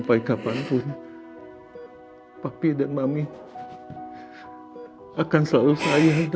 aku akan beriman sama atmosfer secara ak rangka